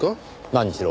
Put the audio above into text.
何しろ